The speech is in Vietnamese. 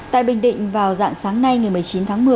tại bình định vào dạng sáng nay ngày một mươi chín tháng một mươi